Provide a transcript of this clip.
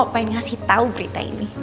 pengen ngasih tau berita ini